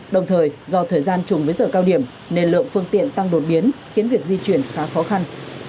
đồng thời do thời gian chùng với giờ cao điểm nên lượng phương tiện tăng đột biến khiến việc di chuyển khá khó khăn